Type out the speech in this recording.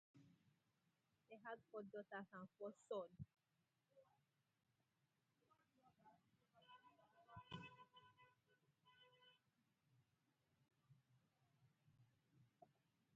They had four daughters and four sons.